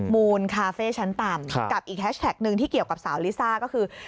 มูลคาเฟ่ชั้นต่ำกับอีกแฮชแท็กหนึ่งที่เกี่ยวกับสาวลิซ่าก็คือ